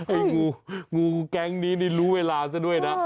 งูงูแก๊งนี้นี่รู้เวลาซะด้วยนะ